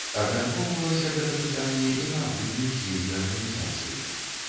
Абмяркоўвалася гэта пытанне і на агульным з'ездзе арганізацыі.